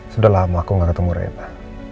sudah lama aku gak ketemu reta